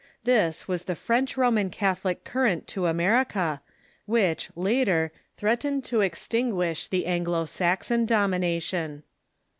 This was the French Roman Catholic current to America, which, later, threatened to extin guish the Anglo Saxon domination.